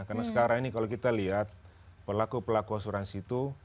karena sekarang ini kalau kita lihat pelaku pelaku asuransi itu